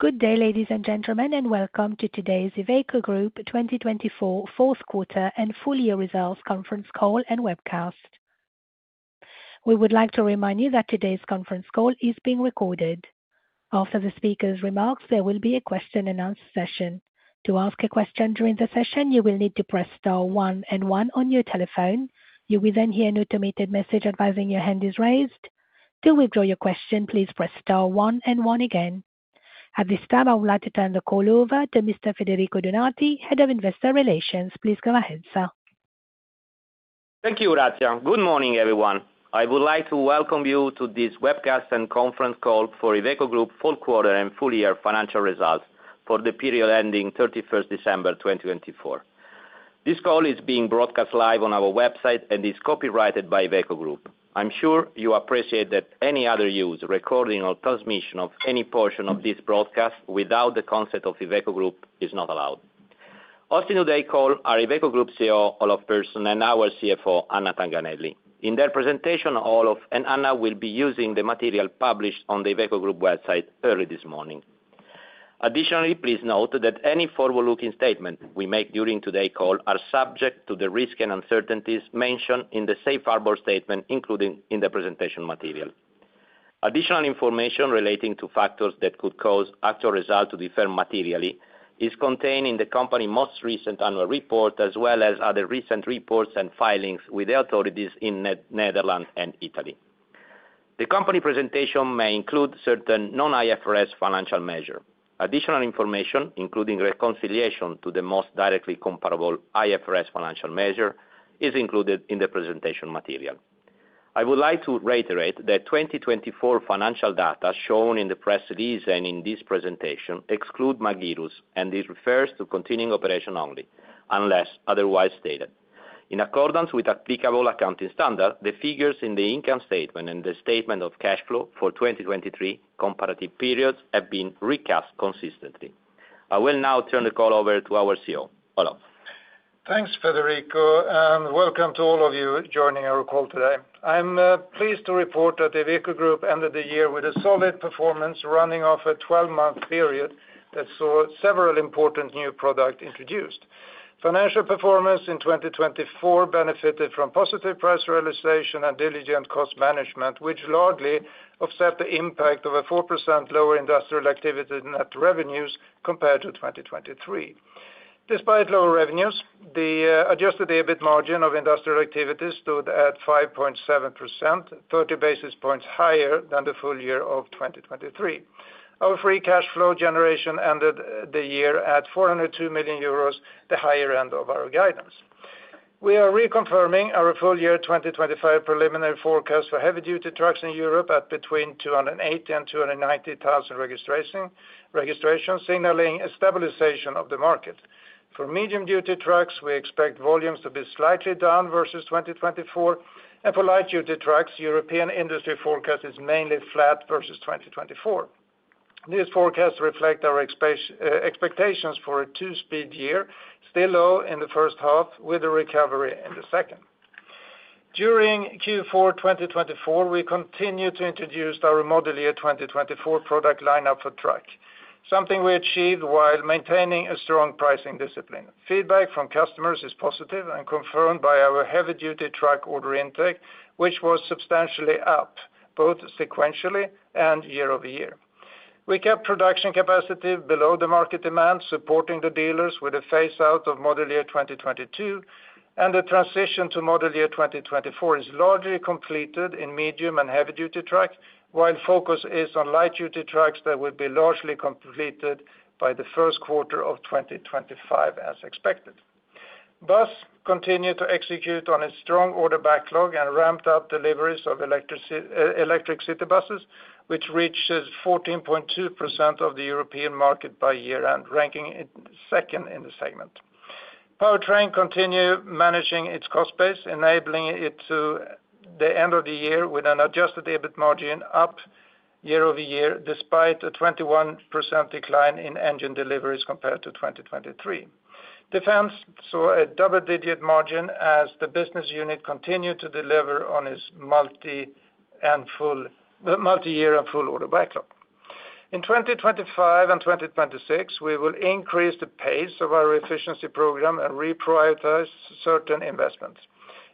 Good day, ladies and gentlemen, and welcome to today's Iveco Group 2024 fourth quarter and full year results conference call and webcast. We would like to remind you that today's conference call is being recorded. After the speaker's remarks, there will be a question and answer session. To ask a question during the session, you will need to press star one and one on your telephone. You will then hear an automated message advising your hand is raised. To withdraw your question, please press star one and one again. At this time, I would like to turn the call over to Mr. Federico Donati, Head of Investor Relations. Please go ahead, sir. Thank you, Ratia. Good morning, everyone. I would like to welcome you to this webcast and conference call for Iveco Group fourth quarter and full year financial results for the period ending 31st December 2024. This call is being broadcast live on our website and is copyrighted by Iveco Group. I'm sure you appreciate that any other use, recording, or transmission of any portion of this broadcast without the consent of Iveco Group is not allowed. Joining today's call are Iveco Group CEO, Olof Persson, and our CFO, Anna Tanganelli. In their presentation, Olof and Anna will be using the material published on the Iveco Group website early this morning. Additionally, please note that any forward-looking statement we make during today's call is subject to the risks and uncertainties mentioned in the Safe Harbor Statement included in the presentation material. Additional information relating to factors that could cause actual results to differ materially is contained in the company's most recent annual report, as well as other recent reports and filings with the authorities in the Netherlands and Italy. The company presentation may include certain non-IFRS financial measures. Additional information, including reconciliation to the most directly comparable IFRS financial measure, is included in the presentation material. I would like to reiterate that 2024 financial data shown in the press release and in this presentation exclude Magirus and refer to continuing operations only, unless otherwise stated. In accordance with applicable accounting standards, the figures in the income statement and the statement of cash flows for 2023 comparative periods have been recast consistently. I will now turn the call over to our CEO, Olof. Thanks, Federico, and welcome to all of you joining our call today. I'm pleased to report that Iveco Group ended the year with a solid performance running off a 12-month period that saw several important new products introduced. Financial performance in 2024 benefited from positive price realization and diligent cost management, which largely offset the impact of a 4% lower industrial activity net revenues compared to 2023. Despite lower revenues, the adjusted EBIT margin of industrial activity stood at 5.7%, 30 basis points higher than the full year of 2023. Our free cash flow generation ended the year at 402 million euros, the higher end of our guidance. We are reconfirming our full year 2025 preliminary forecast for heavy-duty trucks in Europe at between 280,000 and 290,000 registrations, signaling stabilization of the market. For medium-duty trucks, we expect volumes to be slightly down versus 2024, and for light-duty trucks, European industry forecast is mainly flat versus 2024. These forecasts reflect our expectations for a two-speed year, still low in the first half, with a recovery in the second. During Q4 2024, we continued to introduce our model year 2024 product lineup for truck, something we achieved while maintaining a strong pricing discipline. Feedback from customers is positive and confirmed by our heavy-duty truck order intake, which was substantially up both sequentially and year over year. We kept production capacity below the market demand, supporting the dealers with a phase-out of model year 2022, and the transition to model year 2024 is largely completed in medium and heavy-duty trucks, while focus is on light-duty trucks that will be largely completed by the first quarter of 2025, as expected. Bus continued to execute on its strong order backlog and ramped up deliveries of electric city buses, which reached 14.2% of the European market by year-end, ranking second in the segment. Powertrain continued managing its cost base, enabling it to end the year with an adjusted EBIT margin up year over year, despite a 21% decline in engine deliveries compared to 2023. Defense saw a double-digit margin as the business unit continued to deliver on its multi-year, full order backlog. In 2025 and 2026, we will increase the pace of our efficiency program and reprioritize certain investments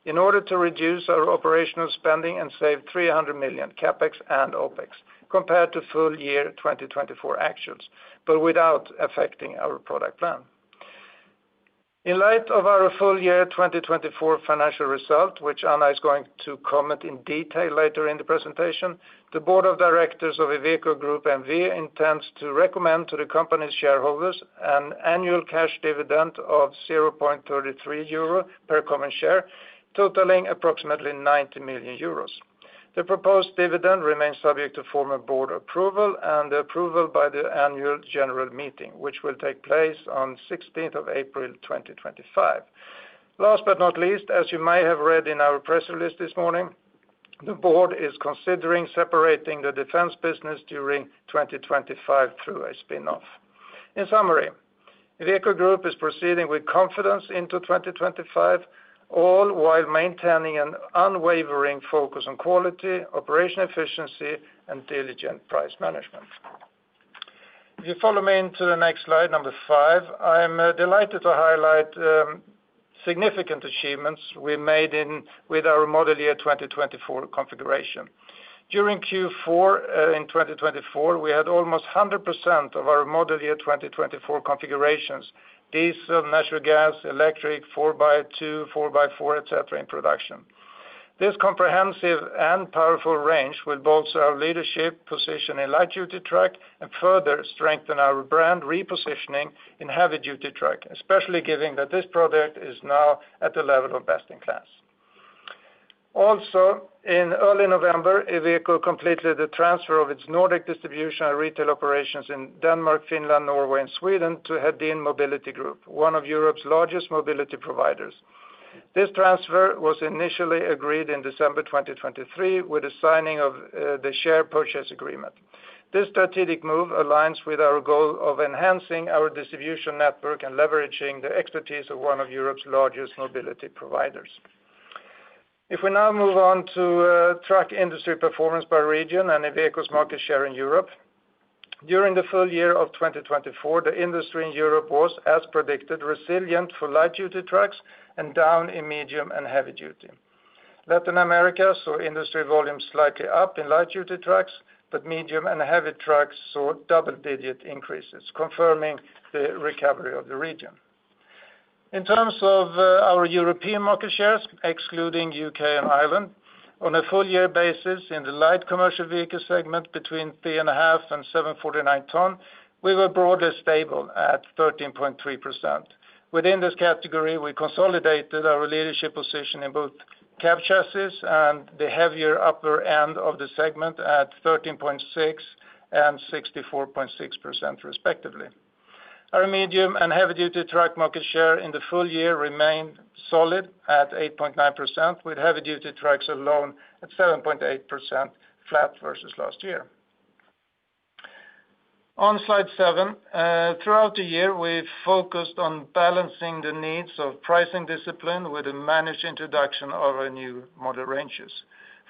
in order to reduce our operational spending and save €300 million in CAPEX and OPEX, compared to full year 2024 actuals, but without affecting our product plan. In light of our full year 2024 financial result, which Anna is going to comment in detail later in the presentation, the Board of Directors of Iveco Group N.V. intends to recommend to the company's shareholders an annual cash dividend of €0.33 per common share, totaling approximately €90 million. The proposed dividend remains subject to formal board approval and approval by the annual general meeting, which will take place on 16th of April 2025. Last but not least, as you may have read in our press release this morning, the board is considering separating the defense business during 2025 through a spinoff. In summary, Iveco Group is proceeding with confidence into 2025, all while maintaining an unwavering focus on quality, operational efficiency, and diligent price management. If you follow me to the next slide, number five, I'm delighted to highlight significant achievements we made with our Model Year 2024 configuration. During Q4 in 2024, we had almost 100% of our Model Year 2024 configurations, diesel, natural gas, electric, 4x2, 4x4, etc., in production. This comprehensive and powerful range will bolster our leadership position in light-duty truck and further strengthen our brand repositioning in heavy-duty truck, especially given that this product is now at the level of best-in-class. Also, in early November, Iveco completed the transfer of its Nordic distribution and retail operations in Denmark, Finland, Norway, and Sweden to Hedin Mobility Group, one of Europe's largest mobility providers. This transfer was initially agreed in December 2023 with the signing of the share purchase agreement. This strategic move aligns with our goal of enhancing our distribution network and leveraging the expertise of one of Europe's largest mobility providers. If we now move on to truck industry performance by region and Iveco's market share in Europe, during the full year of 2024, the industry in Europe was, as predicted, resilient for light-duty trucks and down in medium and heavy-duty. Latin America saw industry volumes slightly up in light-duty trucks, but medium and heavy trucks saw double-digit increases, confirming the recovery of the region. In terms of our European market shares, excluding the UK and Ireland, on a full year basis in the light commercial vehicle segment, between 3.5 and 7.49 tons, we were broadly stable at 13.3%. Within this category, we consolidated our leadership position in both cab-chassis and the heavier upper end of the segment at 13.6% and 64.6%, respectively. Our medium and heavy-duty truck market share in the full year remained solid at 8.9%, with heavy-duty trucks alone at 7.8%, flat versus last year. On slide seven, throughout the year, we focused on balancing the needs of pricing discipline with a managed introduction of our new model ranges.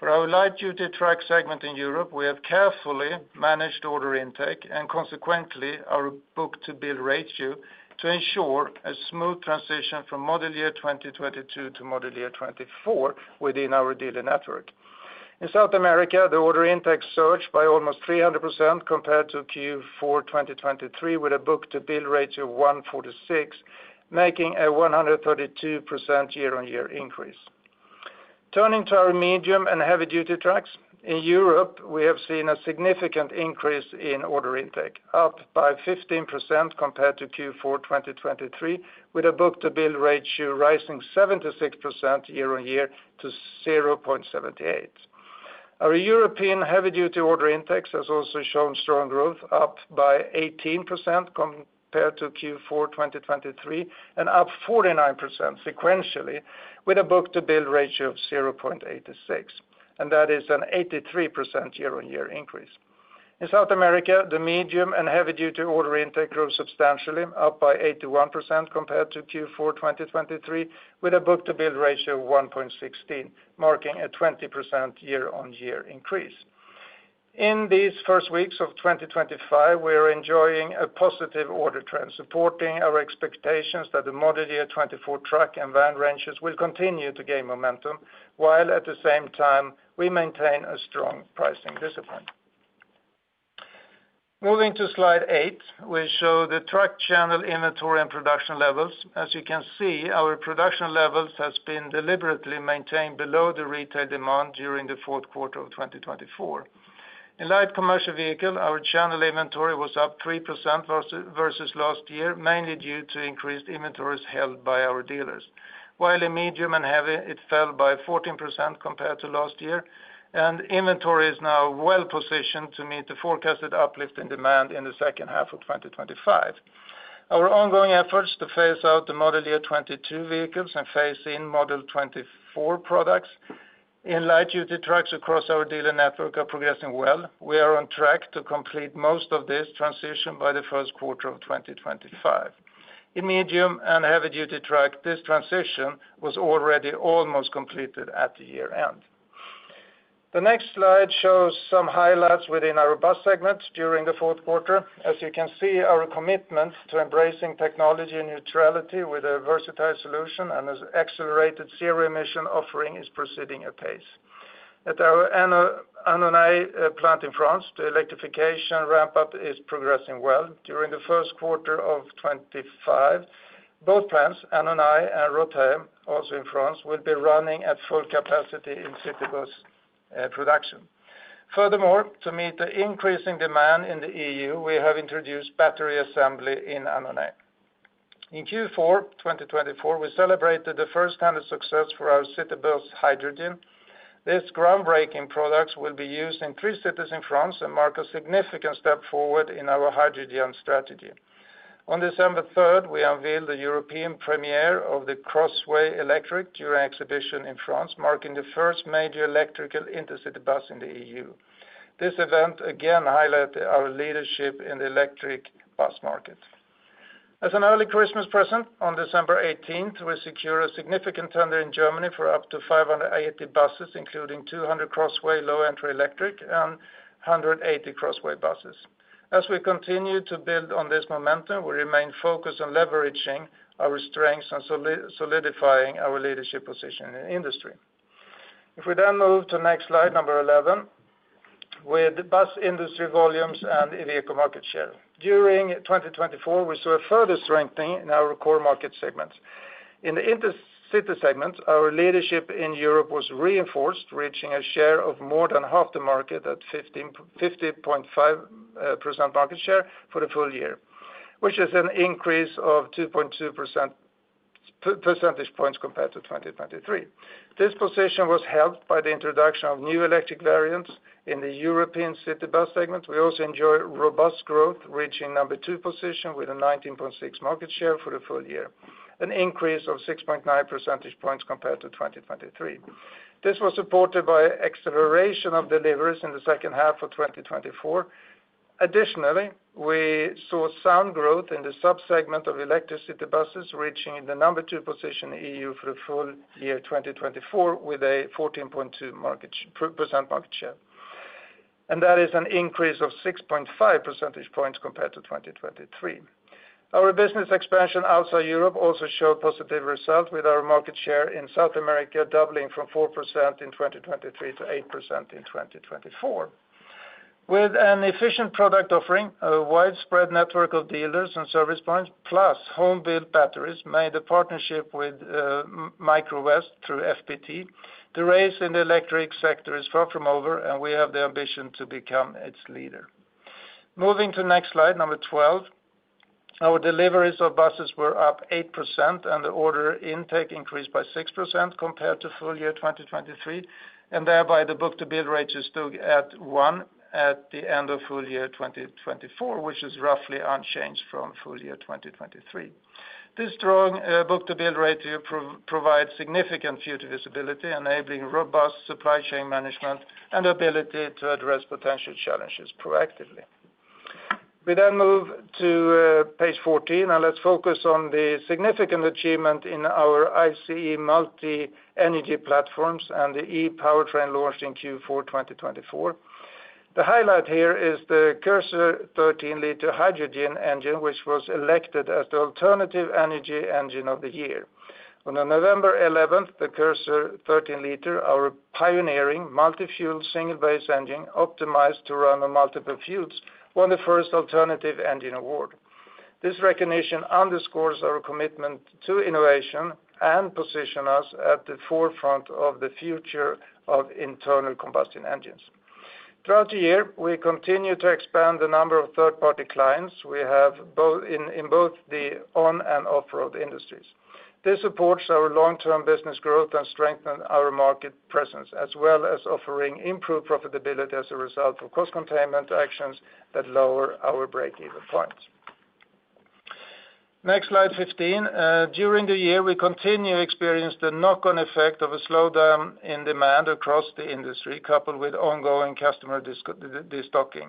For our light-duty truck segment in Europe, we have carefully managed order intake and, consequently, our book-to-bill ratio to ensure a smooth transition from Model Year 2022 to Model Year 2024 within our dealer network. In South America, the order intake surged by almost 300% compared to Q4 2023, with a book-to-bill ratio of 146, making a 132% year-on-year increase. Turning to our medium and heavy-duty trucks, in Europe, we have seen a significant increase in order intake, up by 15% compared to Q4 2023, with a book-to-bill ratio rising 76% year-on-year to 0.78. Our European heavy-duty order intake has also shown strong growth, up by 18% compared to Q4 2023, and up 49% sequentially, with a book-to-bill ratio of 0.86, and that is an 83% year-on-year increase. In South America, the medium and heavy-duty order intake grew substantially, up by 81% compared to Q4 2023, with a book-to-bill ratio of 1.16, marking a 20% year-on-year increase. In these first weeks of 2025, we are enjoying a positive order trend, supporting our expectations that the Model Year 2024 truck and van ranges will continue to gain momentum, while at the same time, we maintain a strong pricing discipline. Moving to slide eight, we show the truck channel inventory and production levels. As you can see, our production levels have been deliberately maintained below the retail demand during the fourth quarter of 2024. In light commercial vehicle, our channel inventory was up 3% versus last year, mainly due to increased inventories held by our dealers, while in medium and heavy, it fell by 14% compared to last year, and inventory is now well positioned to meet the forecasted uplift in demand in the second half of 2025. Our ongoing efforts to phase out the Model Year 2022 vehicles and phase in Model Year 2024 products in light-duty trucks across our dealer network are progressing well. We are on track to complete most of this transition by the first quarter of 2025. In medium and heavy-duty trucks, this transition was already almost completed at the year-end. The next slide shows some highlights within our bus segment during the fourth quarter. As you can see, our commitment to embracing technology and neutrality with a versatile solution and an accelerated zero-emission offering is proceeding at pace. At our Annonay plant in France, the electrification ramp-up is progressing well. During the first quarter of 2025, both plants, Annonay and Rorthais, also in France, will be running at full capacity in city bus production. Furthermore, to meet the increasing demand in the EU, we have introduced battery assembly in Annonay. In Q4 2024, we celebrated the first-hand success for our city bus hydrogen. This groundbreaking product will be used in three cities in France and marks a significant step forward in our hydrogen strategy. On December 3rd, we unveiled the European premiere of the Crossway Electric during exhibition in France, marking the first major electric intercity bus in the EU. This event again highlighted our leadership in the electric bus market. As an early Christmas present, on December 18th, we secured a significant tender in Germany for up to 580 buses, including 200 Crossway Low Entry Electric and 180 Crossway buses. As we continue to build on this momentum, we remain focused on leveraging our strengths and solidifying our leadership position in the industry. If we then move to next slide, number 11, with bus industry volumes and Iveco market share. During 2024, we saw a further strengthening in our core market segments. In the intercity segment, our leadership in Europe was reinforced, reaching a share of more than half the market at 50.5% market share for the full year, which is an increase of 2.2 percentage points compared to 2023. This position was helped by the introduction of new electric variants in the European city bus segment. We also enjoy robust growth, reaching number two position with a 19.6% market share for the full year, an increase of 6.9 percentage points compared to 2023. This was supported by acceleration of deliveries in the second half of 2024. Additionally, we saw sound growth in the subsegment of electric buses, reaching the number two position in the EU for the full year 2024 with a 14.2% market share. That is an increase of 6.5 percentage points compared to 2023. Our business expansion outside Europe also showed positive results, with our market share in South America doubling from 4% in 2023 to 8% in 2024. With an efficient product offering, a widespread network of dealers and service points, plus home-built batteries made in partnership with Microvast through FPT, the race in the electric sector is far from over, and we have the ambition to become its leader. Moving to next slide, number 12, our deliveries of buses were up 8%, and the order intake increased by 6% compared to full year 2023, and thereby the book-to-bill rate is still at 1 at the end of full year 2024, which is roughly unchanged from full year 2023. This strong book-to-bill ratio provides significant future visibility, enabling robust supply chain management and ability to address potential challenges proactively. We then move to page 14, and let's focus on the significant achievement in our ICE multi-energy platforms and the e-Powertrain launched in Q4 2024. The highlight here is the Cursor 13-liter hydrogen engine, which was elected as the Alternative Energy Engine of the Year. On November 11th, the Cursor 13-liter, our pioneering multi-fuel single-based engine optimized to run on multiple fuels, won the first alternative engine award. This recognition underscores our commitment to innovation and positions us at the forefront of the future of internal combustion engines. Throughout the year, we continue to expand the number of third-party clients we have in both the on- and off-road industries. This supports our long-term business growth and strengthens our market presence, as well as offering improved profitability as a result of cost containment actions that lower our break-even points. Next slide 15. During the year, we continue to experience the knock-on effect of a slowdown in demand across the industry, coupled with ongoing customer destocking.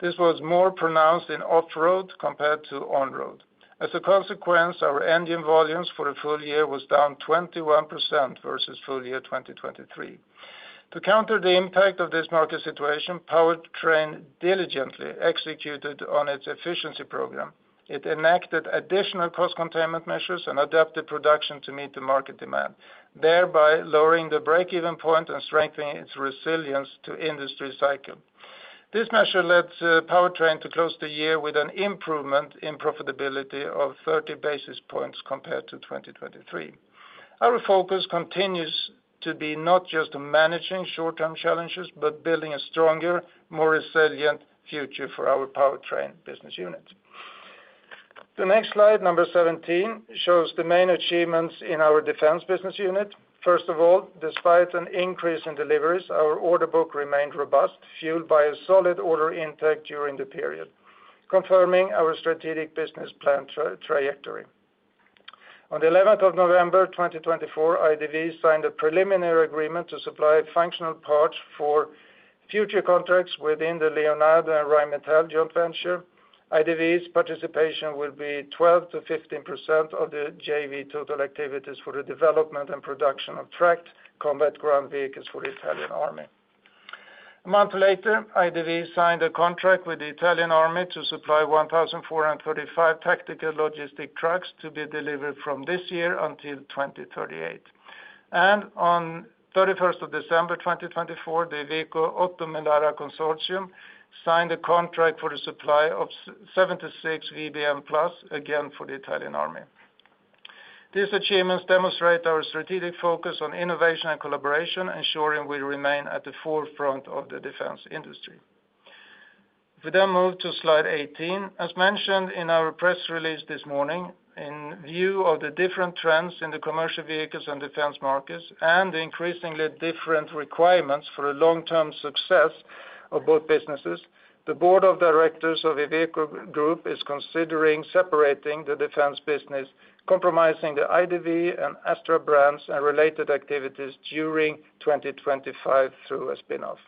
This was more pronounced in off-road compared to on-road. As a consequence, our engine volumes for the full year were down 21% versus full year 2023. To counter the impact of this market situation, Powertrain diligently executed on its efficiency program. It enacted additional cost containment measures and adapted production to meet the market demand, thereby lowering the break-even point and strengthening its resilience to industry cycles. This measure led Powertrain to close the year with an improvement in profitability of 30 basis points compared to 2023. Our focus continues to be not just managing short-term challenges, but building a stronger, more resilient future for our Powertrain business unit. The next slide, number 17, shows the main achievements in our Defense Business unit. First of all, despite an increase in deliveries, our order book remained robust, fueled by a solid order intake during the period, confirming our strategic business plan trajectory. On the 11th of November 2024, IDV signed a preliminary agreement to supply functional parts for future contracts within the Leonardo and Rheinmetall joint venture. IDV's participation will be 12%-15% of the JV total activities for the development and production of tracked combat ground vehicles for the Italian Army. A month later, IDV signed a contract with the Italian Army to supply 1,435 tactical logistic trucks to be delivered from this year until 2038. And on the 31st of December 2024, the Iveco Oto Melara Consortium signed a contract for the supply of 76 VBM Plus, again for the Italian Army. These achievements demonstrate our strategic focus on innovation and collaboration, ensuring we remain at the forefront of the defense industry. We then move to slide 18. As mentioned in our press release this morning, in view of the different trends in the commercial vehicles and defense markets and the increasingly different requirements for the long-term success of both businesses, the board of directors of Iveco Group is considering separating the Defense Business, comprising the IDV and Astra brands and related activities during 2025 through a spinoff.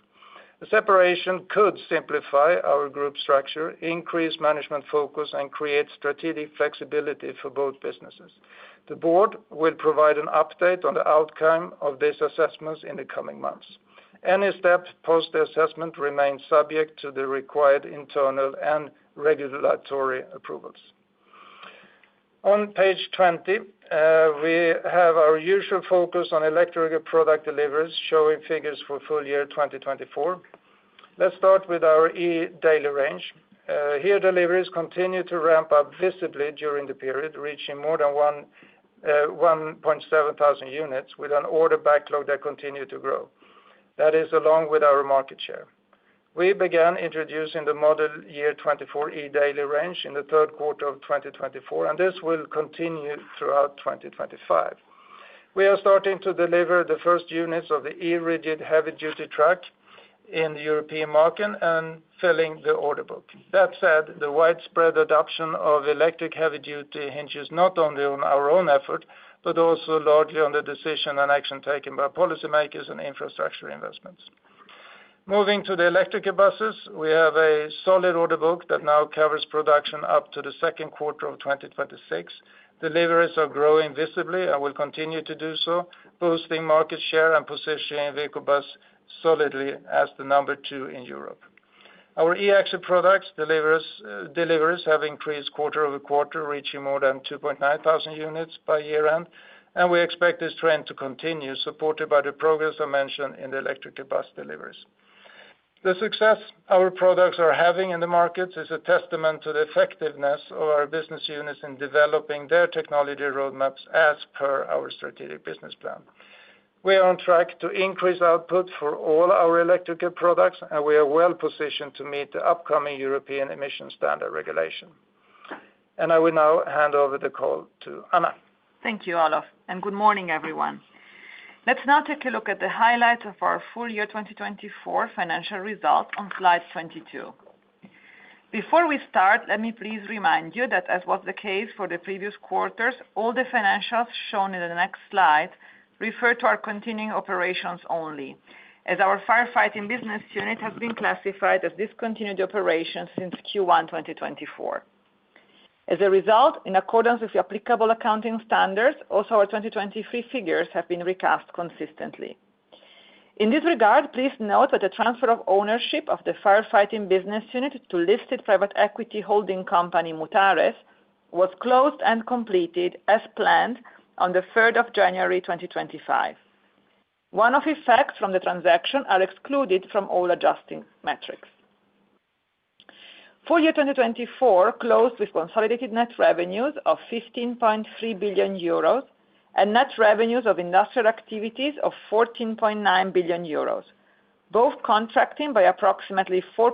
The separation could simplify our group structure, increase management focus, and create strategic flexibility for both businesses. The board will provide an update on the outcome of these assessments in the coming months. Any step post the assessment remains subject to the required internal and regulatory approvals. On page 20, we have our usual focus on electric product deliveries, showing figures for full year 2024. Let's start with our eDaily range. Here, deliveries continue to ramp up visibly during the period, reaching more than 1.7 thousand units, with an order backlog that continues to grow. That is along with our market share. We began introducing the Model Year 2024 eDaily range in the third quarter of 2024, and this will continue throughout 2025. We are starting to deliver the first units of the eRigid heavy-duty truck in the European market and filling the order book. That said, the widespread adoption of electric heavy-duty hinges not only on our own effort, but also largely on the decision and action taken by policymakers and infrastructure investments. Moving to the electric buses, we have a solid order book that now covers production up to the second quarter of 2026. Deliveries are growing visibly and will continue to do so, boosting market share and positioning Iveco Bus solidly as the number two in Europe. Our e-Axle product deliveries have increased quarter over quarter, reaching more than 2.9 thousand units by year-end, and we expect this trend to continue, supported by the progress I mentioned in the electric bus deliveries. The success our products are having in the markets is a testament to the effectiveness of our business units in developing their technology roadmaps as per our strategic business plan. We are on track to increase output for all our electrical products, and we are well positioned to meet the upcoming European emission standard regulation, and I will now hand over the call to Anna. Thank you, Olof, and good morning, everyone. Let's now take a look at the highlights of our full year 2024 financial results on slide 22. Before we start, let me please remind you that, as was the case for the previous quarters, all the financials shown in the next slide refer to our continuing operations only, as our firefighting business unit has been classified as discontinued operations since Q1 2024. As a result, in accordance with the applicable accounting standards, also our 2023 figures have been recast consistently. In this regard, please note that the transfer of ownership of the firefighting business unit to listed private equity holding company Mutares was closed and completed as planned on the 3rd of January 2025. One-off effects from the transaction are excluded from all adjusting metrics. Full year 2024 closed with consolidated net revenues of 15.3 billion euros and net revenues of industrial activities of 14.9 billion euros, both contracting by approximately 4%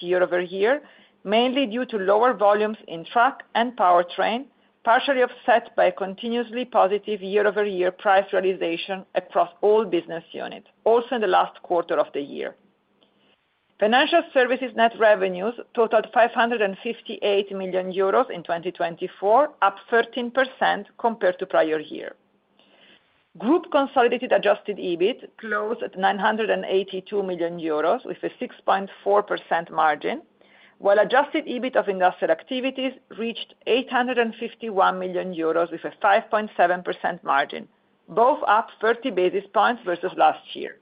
year-over-year, mainly due to lower volumes in truck and powertrain, partially offset by continuously positive year-over-year price realization across all business units, also in the last quarter of the year. Financial services net revenues totaled 558 million euros in 2024, up 13% compared to prior year. Group consolidated Adjusted EBIT closed at 982 million euros with a 6.4% margin, while Adjusted EBIT of industrial activities reached 851 million euros with a 5.7% margin, both up 30 basis points versus last year.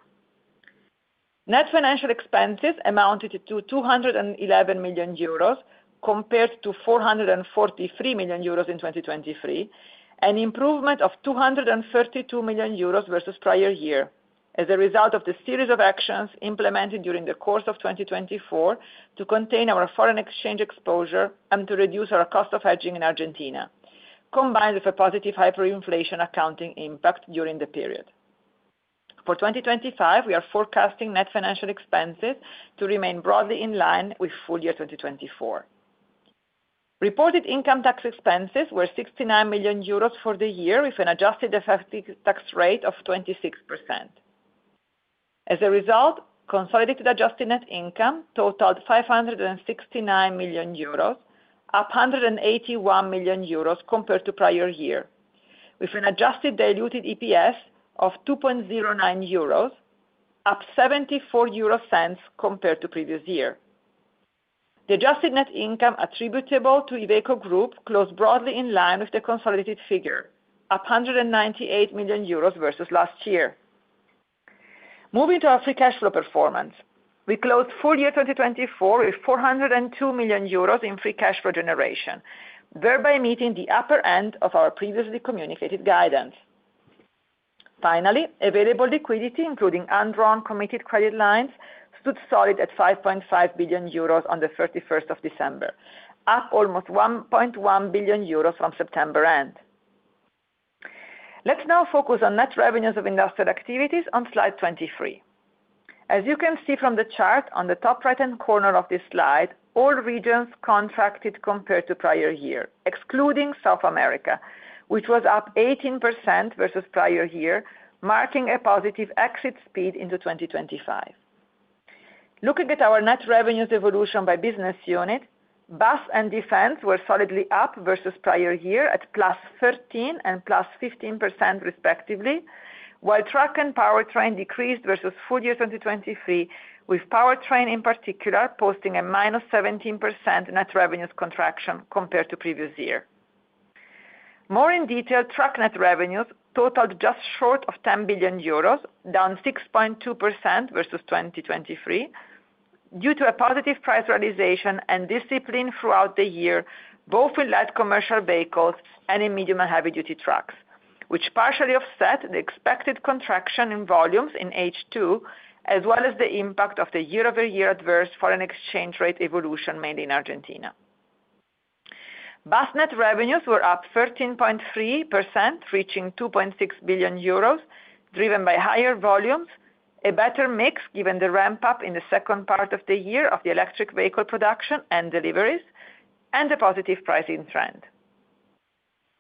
Net financial expenses amounted to 211 million euros compared to 443 million euros in 2023, an improvement of 232 million euros versus prior year, as a result of the series of actions implemented during the course of 2024 to contain our foreign exchange exposure and to reduce our cost of hedging in Argentina, combined with a positive hyperinflation accounting impact during the period. For 2025, we are forecasting net financial expenses to remain broadly in line with full year 2024. Reported income tax expenses were 69 million euros for the year, with an adjusted effective tax rate of 26%. As a result, consolidated adjusted net income totaled 569 million euros, up 181 million euros compared to prior year, with an adjusted diluted EPS of 2.09 euros, up 0.74 compared to previous year. The adjusted net income attributable to Iveco Group closed broadly in line with the consolidated figure, up 198 million euros versus last year. Moving to our free cash flow performance, we closed full year 2024 with 402 million euros in free cash flow generation, thereby meeting the upper end of our previously communicated guidance. Finally, available liquidity, including undrawn committed credit lines, stood solid at 5.5 billion euros on the 31st of December, up almost 1.1 billion euros from September end. Let's now focus on net revenues of industrial activities on slide 23. As you can see from the chart on the top right-hand corner of this slide, all regions contracted compared to prior year, excluding South America, which was up 18% versus prior year, marking a positive exit speed into 2025. Looking at our net revenues evolution by business unit, bus and defense were solidly up versus prior year at plus 13% and plus 15% respectively, while truck and powertrain decreased versus full year 2023, with powertrain in particular posting a minus 17% net revenues contraction compared to previous year. More in detail, truck net revenues totaled just short of 10 billion euros, down 6.2% versus 2023, due to a positive price realization and discipline throughout the year, both in light commercial vehicles and in medium and heavy-duty trucks, which partially offset the expected contraction in volumes in H2, as well as the impact of the year-over-year adverse foreign exchange rate evolution, mainly in Argentina. Bus net revenues were up 13.3%, reaching 2.6 billion euros, driven by higher volumes, a better mix given the ramp-up in the second part of the year of the electric vehicle production and deliveries, and a positive pricing trend.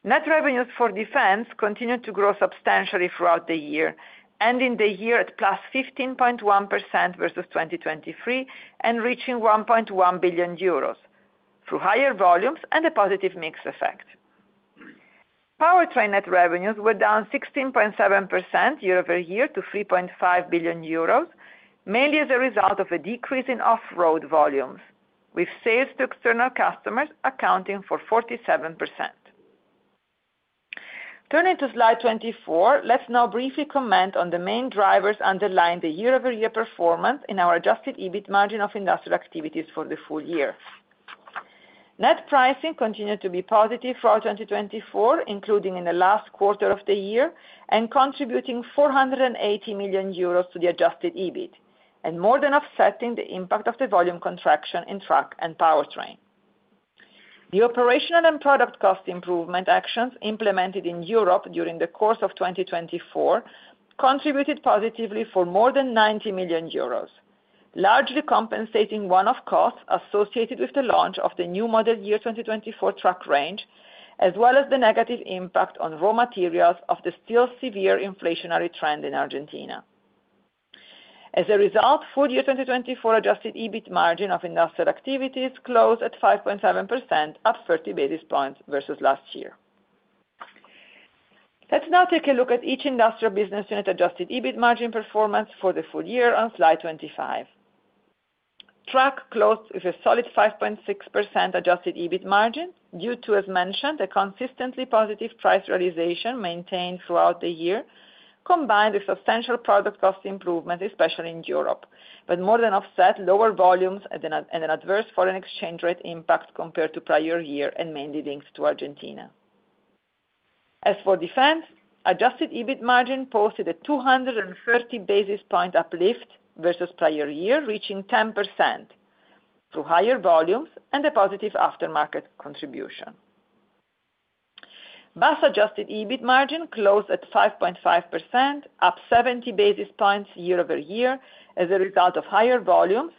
Net revenues for defense continued to grow substantially throughout the year, ending the year at plus 15.1% versus 2023, and reaching 1.1 billion euros through higher volumes and a positive mix effect. Powertrain net revenues were down 16.7% year-over-year to 3.5 billion euros, mainly as a result of a decrease in off-road volumes, with sales to external customers accounting for 47%. Turning to slide 24, let's now briefly comment on the main drivers underlying the year-over-year performance in our Adjusted EBIT margin of industrial activities for the full year. Net pricing continued to be positive throughout 2024, including in the last quarter of the year, and contributing 480 million euros to the adjusted EBIT, and more than offsetting the impact of the volume contraction in truck and powertrain. The operational and product cost improvement actions implemented in Europe during the course of 2024 contributed positively for more than 90 million euros, largely compensating one-off costs associated with the launch of the new model year 2024 truck range, as well as the negative impact on raw materials of the still severe inflationary trend in Argentina. As a result, full year 2024 adjusted EBIT margin of industrial activities closed at 5.7%, up 30 basis points versus last year. Let's now take a look at each industrial business unit adjusted EBIT margin performance for the full year on slide 25. Truck closed with a solid 5.6% Adjusted EBIT margin due to, as mentioned, a consistently positive price realization maintained throughout the year, combined with substantial product cost improvement, especially in Europe, but more than offset lower volumes and an adverse foreign exchange rate impact compared to prior year, and mainly linked to Argentina. As for defense, Adjusted EBIT margin posted a 230 basis point uplift versus prior year, reaching 10% through higher volumes and a positive aftermarket contribution. Bus Adjusted EBIT margin closed at 5.5%, up 70 basis points year-over-year as a result of higher volumes,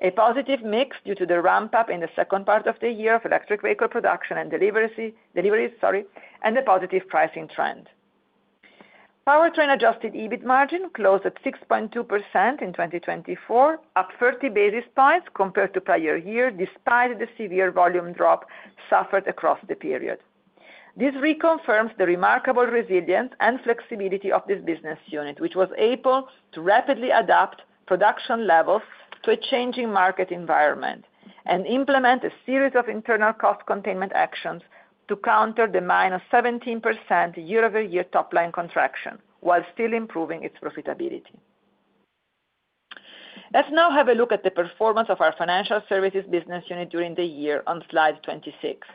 a positive mix due to the ramp-up in the second part of the year of electric vehicle production and deliveries, sorry, and a positive pricing trend. Powertrain Adjusted EBIT margin closed at 6.2% in 2024, up 30 basis points compared to prior year, despite the severe volume drop suffered across the period. This reconfirms the remarkable resilience and flexibility of this business unit, which was able to rapidly adapt production levels to a changing market environment and implement a series of internal cost containment actions to counter the minus 17% year-over-year top line contraction while still improving its profitability. Let's now have a look at the performance of our financial services business unit during the year on slide 26.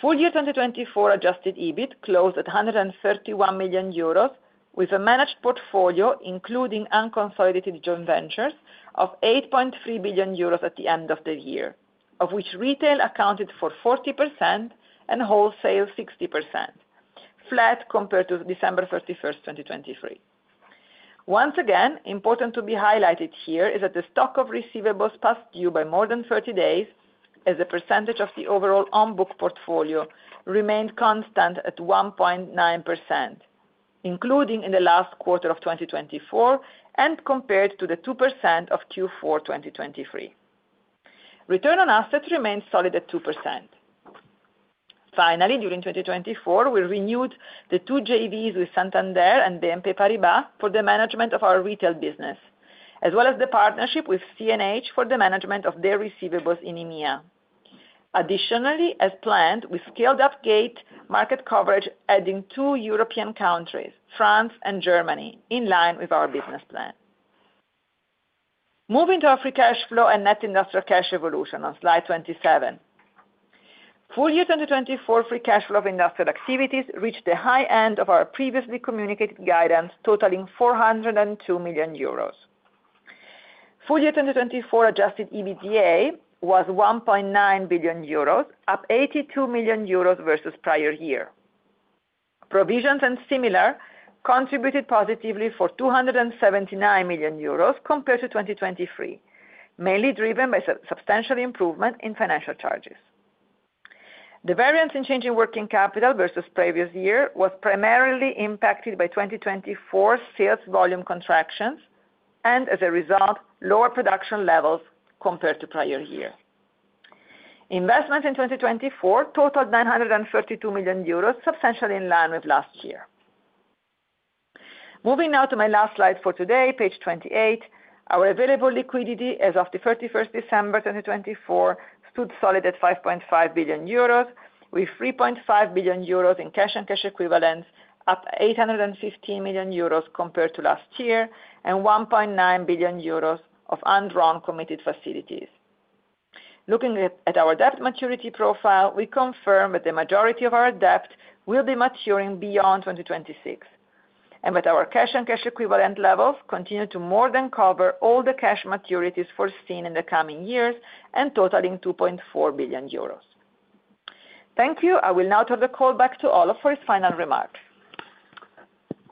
Full year 2024 Adjusted EBIT closed at 131 million euros, with a managed portfolio, including unconsolidated joint ventures, of 8.3 billion euros at the end of the year, of which retail accounted for 40% and wholesale 60%, flat compared to December 31st, 2023. Once again, important to be highlighted here is that the stock of receivables past due by more than 30 days, as the percentage of the overall on-book portfolio remained constant at 1.9%, including in the last quarter of 2024 and compared to the 2% of Q4 2023. Return on assets remained solid at 2%. Finally, during 2024, we renewed the two JVs with Santander and BNP Paribas for the management of our retail business, as well as the partnership with CNH for the management of their receivables in EMEA. Additionally, as planned, we scaled up retail market coverage, adding two European countries, France and Germany, in line with our business plan. Moving to our free cash flow and net industrial cash evolution on slide 27. Full year 2024 free cash flow of industrial activities reached the high end of our previously communicated guidance, totaling 402 million euros. Full year 2024 Adjusted EBITDA was 1.9 billion euros, up 82 million euros versus prior year. Provisions and similar contributed positively for 279 million euros compared to 2023, mainly driven by substantial improvement in financial charges. The variance in changing working capital versus previous year was primarily impacted by 2024 sales volume contractions and, as a result, lower production levels compared to prior year. Investments in 2024 totaled 932 million euros, substantially in line with last year. Moving now to my last slide for today, page 28, our available liquidity as of the 31st December 2024 stood solid at 5.5 billion euros, with 3.5 billion euros in cash and cash equivalents, up 815 million euros compared to last year, and 1.9 billion euros of undrawn committed facilities. Looking at our debt maturity profile, we confirm that the majority of our debt will be maturing beyond 2026, and that our cash and cash equivalent levels continue to more than cover all the cash maturities foreseen in the coming years and totaling 2.4 billion euros. Thank you. I will now turn the call back to Olof for his final remarks.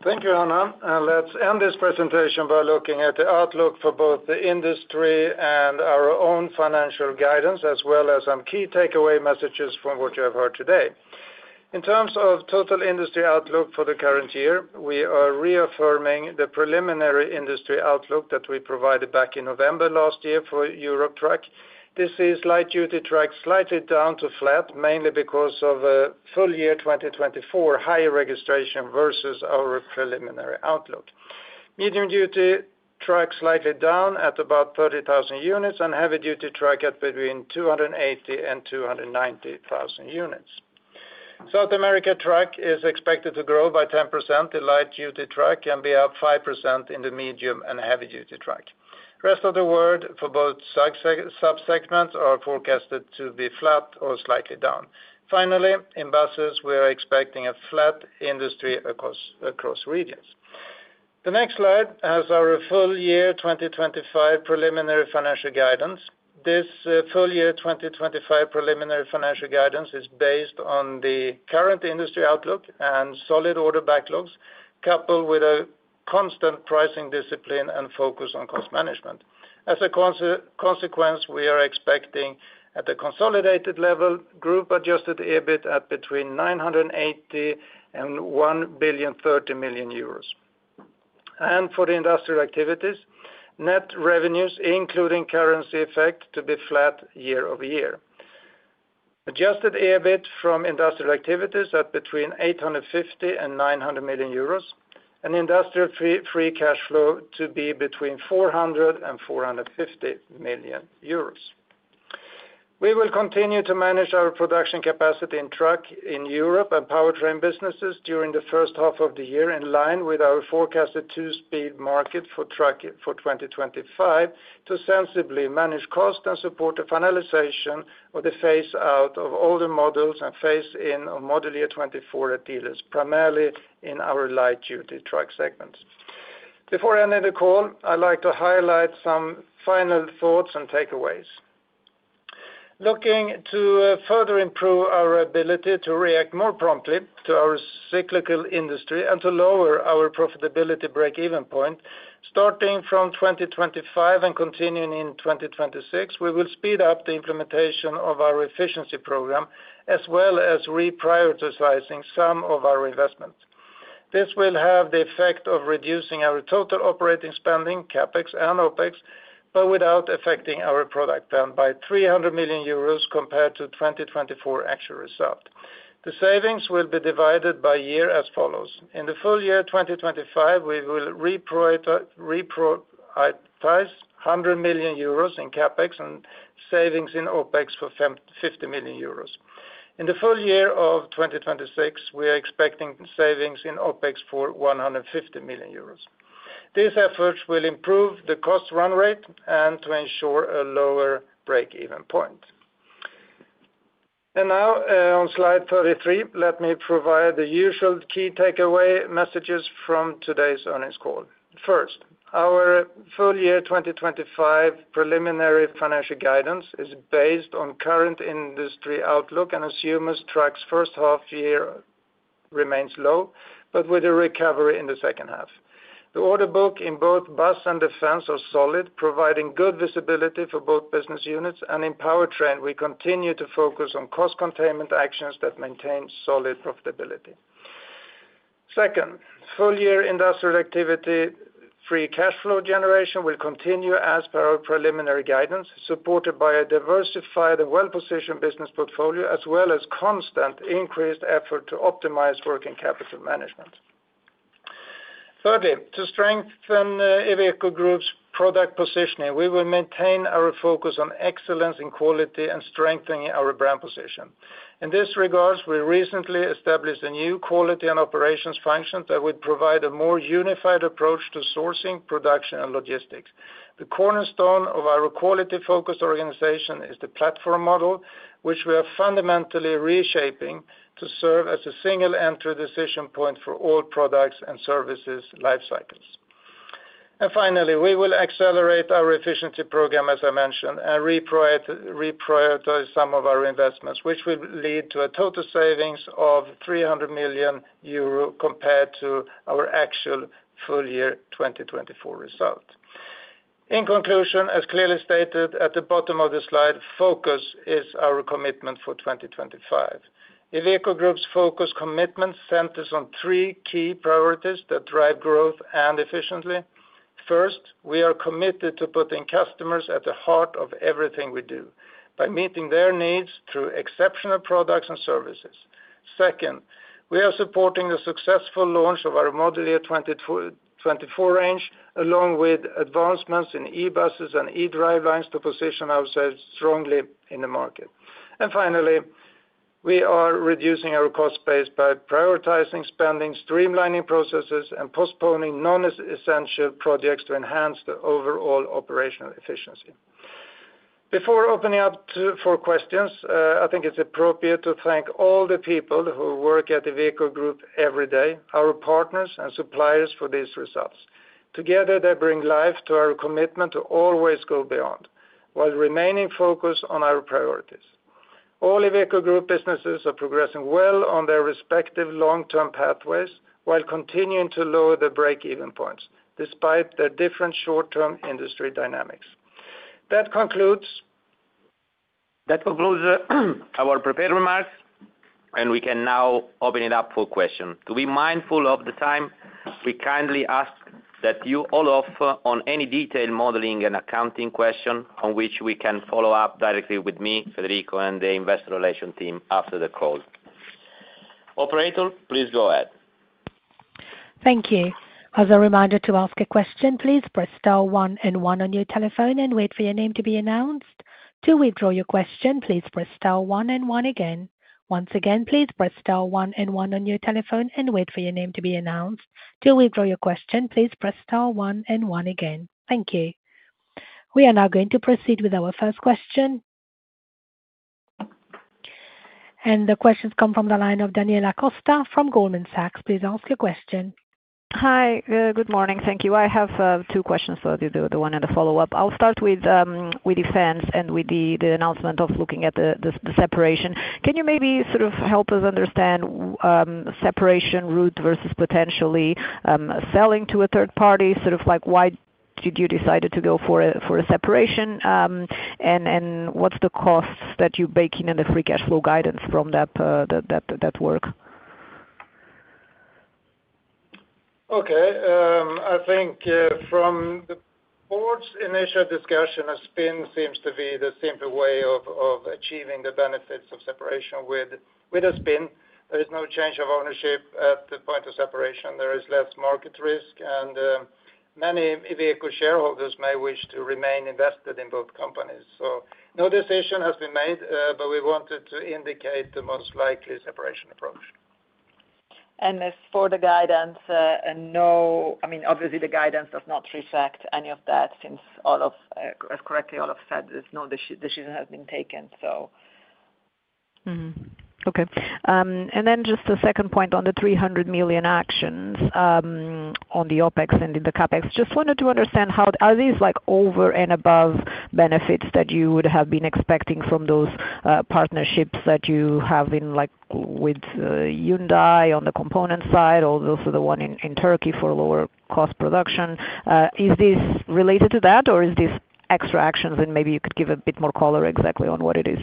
Thank you, Anna. And let's end this presentation by looking at the outlook for both the industry and our own financial guidance, as well as some key takeaway messages from what you have heard today. In terms of total industry outlook for the current year, we are reaffirming the preliminary industry outlook that we provided back in November last year for Europe trucks. This is light-duty truck slightly down to flat, mainly because of a full year 2024 higher registration versus our preliminary outlook. Medium-duty truck slightly down at about 30,000 units and heavy-duty truck at between 280,000 and 290,000 units. South America truck is expected to grow by 10%. The light-duty truck can be up 5% in the medium and heavy-duty truck. The rest of the world for both subsegments are forecasted to be flat or slightly down. Finally, in buses, we are expecting a flat industry across regions. The next slide has our full year 2025 preliminary financial guidance. This full year 2025 preliminary financial guidance is based on the current industry outlook and solid order backlogs, coupled with a constant pricing discipline and focus on cost management. As a consequence, we are expecting at the consolidated level, Group adjusted EBIT at between 980 million euros and EUR 1.03 billion, and for the industrial activities, net revenues, including currency effect, to be flat year-over-year. Adjusted EBIT from industrial activities at between 850 million and 900 million euros, and industrial free cash flow to be between 400 million euros and 450 million euros. We will continue to manage our production capacity in trucks in Europe and powertrain businesses during the first half of the year, in line with our forecasted two-speed market for trucks for 2025, to sensibly manage costs and support the finalization of the phase-out of older models and phase-in of model year 2024 at dealers, primarily in our light-duty truck segments. Before ending the call, I'd like to highlight some final thoughts and takeaways. Looking to further improve our ability to react more promptly to our cyclical industry and to lower our profitability break-even point, starting from 2025 and continuing in 2026, we will speed up the implementation of our efficiency program, as well as reprioritizing some of our investments. This will have the effect of reducing our total operating spending, CapEx and OPEX, but without affecting our product plan by 300 million euros compared to 2024 actual result. The savings will be divided by year as follows. In the full year 2025, we will reprioritize 100 million euros in CapEx and savings in OPEX for 50 million euros. In the full year of 2026, we are expecting savings in OPEX for 150 million euros. These efforts will improve the cost run rate and to ensure a lower break-even point. And now, on slide 33, let me provide the usual key takeaway messages from today's earnings call. First, our full year 2025 preliminary financial guidance is based on current industry outlook, and assumes truck's first half year remains low, but with a recovery in the second half. The order book in both Bus and Defense are solid, providing good visibility for both business units, and in powertrain, we continue to focus on cost containment actions that maintain solid profitability. Second, full year industrial activity free cash flow generation will continue as per our preliminary guidance, supported by a diversified and well-positioned business portfolio, as well as constant increased effort to optimize working capital management. Thirdly, to strengthen Iveco Group's product positioning, we will maintain our focus on excellence in quality and strengthening our brand position. In this regard, we recently established a new quality and operations function that would provide a more unified approach to sourcing, production, and logistics. The cornerstone of our quality-focused organization is the platform model, which we are fundamentally reshaping to serve as a single entry decision point for all products and services lifecycles. And finally, we will accelerate our efficiency program, as I mentioned, and reprioritize some of our investments, which will lead to a total savings of 300 million euro compared to our actual full year 2024 result. In conclusion, as clearly stated at the bottom of the slide, focus is our commitment for 2025. Iveco Group's focus commitment centers on three key priorities that drive growth and efficiency. First, we are committed to putting customers at the heart of everything we do by meeting their needs through exceptional products and services. Second, we are supporting the successful launch of our model year 2024 range, along with advancements in e-buses and e-drivelines to position ourselves strongly in the market. And finally, we are reducing our cost base by prioritizing spending, streamlining processes, and postponing non-essential projects to enhance the overall operational efficiency. Before opening up for questions, I think it's appropriate to thank all the people who work at Iveco Group every day, our partners and suppliers for these results. Together, they bring life to our commitment to always go beyond while remaining focused on our priorities. All Iveco Group businesses are progressing well on their respective long-term pathways while continuing to lower the break-even points despite their different short-term industry dynamics. That concludes our prepared remarks, and we can now open it up for questions. To be mindful of the time, we kindly ask that you all offer any detailed modeling and accounting questions on which we can follow up directly with me, Federico, and the Investor Relations team after the call. Operator, please go ahead. Thank you. As a reminder, to ask a question, please press star one and one on your telephone and wait for your name to be announced. To withdraw your question, please press star one and one again. Once again, please press star one and one on your telephone and wait for your name to be announced. To withdraw your question, please press star one and one again. Thank you. We are now going to proceed with our first question. And the questions come from the line of Daniela Costa from Goldman Sachs. Please ask your question. Hi, good morning. Thank you. I have two questions for you, the one and the follow-up. I'll start with defense and with the announcement of looking at the separation. Can you maybe sort of help us understand separation route versus potentially selling to a third party? Sort of like, why did you decide to go for a separation? And what's the cost that you're baking in the free cash flow guidance from that work? Okay. I think from the board's initial discussion, a spin seems to be the simple way of achieving the benefits of separation with a spin. There is no change of ownership at the point of separation. There is less market risk, and many Iveco shareholders may wish to remain invested in both companies. So no decision has been made, but we wanted to indicate the most likely separation approach. And as for the guidance, I mean, obviously, the guidance does not reflect any of that since all of, as correctly Olof said, there's no decision has been taken, so. Okay. And then just the second point on the 300 million actions on the OpEx and in the CapEx. Just wanted to understand how are these over and above benefits that you would have been expecting from those partnerships that you have with Hyundai on the component side or also the one in Turkey for lower cost production? Is this related to that, or is this extra actions? And maybe you could give a bit more color exactly on what it is.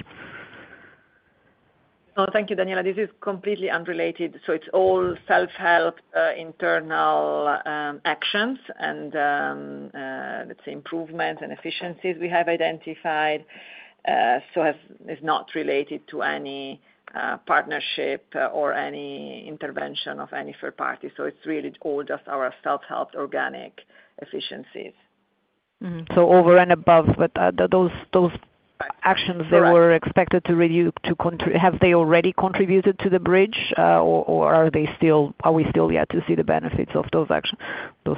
No, thank you, Daniela. This is completely unrelated. So it's all self-help internal actions and, let's say, improvements and efficiencies we have identified. So it's not related to any partnership or any intervention of any third party. So it's really all just our self-help organic efficiencies. So over and above, but those actions that were expected to review, have they already contributed to the bridge, or are we still yet to see the benefits of those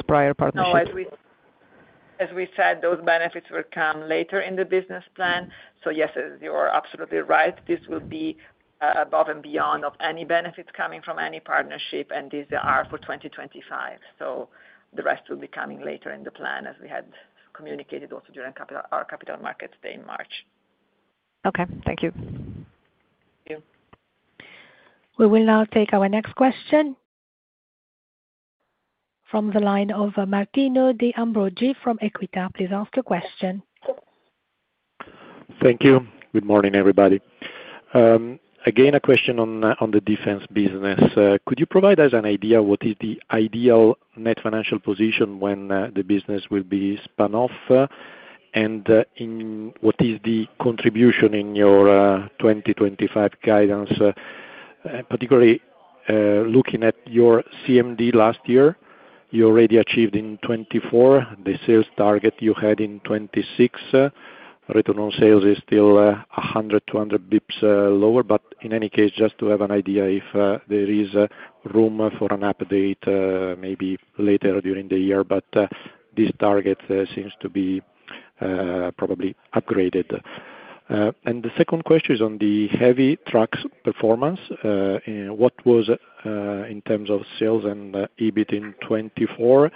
prior partnerships? No, as we said, those benefits will come later in the business plan. So yes, you are absolutely right. This will be above and beyond of any benefits coming from any partnership, and these are for 2025. So the rest will be coming later in the plan as we had communicated also during our Capital Markets Day in March. Okay. Thank you. Thank you. We will now take our next question from the line of Martino De Ambrogi from Equita. Please ask your question. Thank you. Good morning, everybody. Again, a question on the defense business. Could you provide us an idea of what is the ideal net financial position when the business will be spun off? And what is the contribution in your 2025 guidance, particularly looking at your CMD last year? You already achieved in 2024 the sales target you had in 2026. Return on sales is still 100-200 basis points lower. But in any case, just to have an idea if there is room for an update maybe later during the year, but this target seems to be probably upgraded. And the second question is on the heavy truck's performance. What was in terms of sales and EBIT in 2024,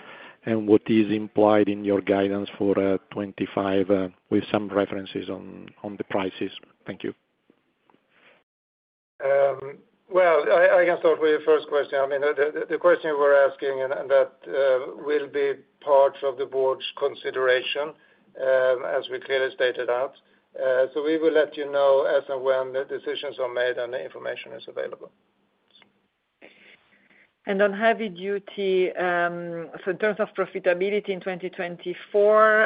and what is implied in your guidance for 2025 with some references on the prices? Thank you. I can start with the first question. I mean, the question you were asking, and that will be part of the board's consideration as we clearly set out. So we will let you know as and when the decisions are made and the information is available. And on heavy-duty, so in terms of profitability in 2024,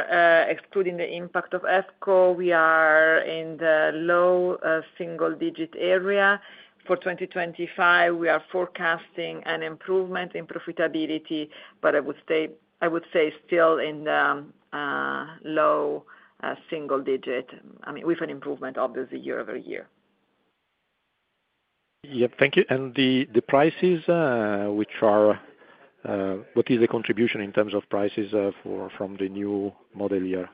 excluding the impact of FX, we are in the low single-digit area. For 2025, we are forecasting an improvement in profitability, but I would say still in the low single digit. I mean, with an improvement, obviously, year over year. Yep. Thank you. And the prices, which are what is the contribution in terms of prices from the new model year?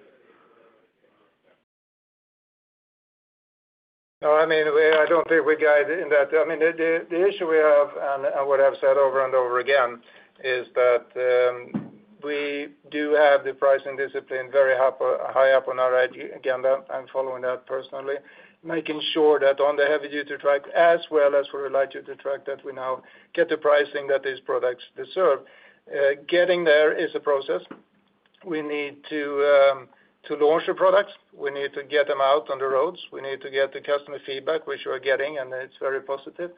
No, I mean, I don't think we guide in that. I mean, the issue we have and what I've said over and over again is that we do have the pricing discipline very high up on our agenda. I'm following that personally. Making sure that on the heavy-duty truck as well as for the light-duty truck that we now get the pricing that these products deserve. Getting there is a process. We need to launch the products. We need to get them out on the roads. We need to get the customer feedback, which we're getting, and it's very positive.